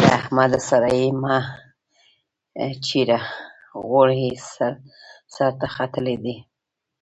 له احمد سره يې مه چېړه؛ غول يې سر ته ختلي دي.